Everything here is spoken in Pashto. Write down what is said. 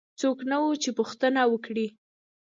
څوک نه وو چې پوښتنه وکړي.